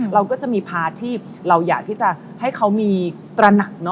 เราก็จะมีพาร์ทที่เราอยากที่จะให้เขามีตระหนัก